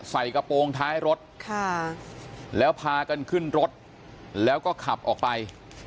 ใส่กระโปรงท้ายรถแล้วพากันขึ้นรถแล้วก็ขับออกไป